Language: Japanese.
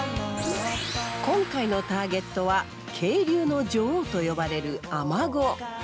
今回のターゲットは「渓流の女王」と呼ばれるアマゴ。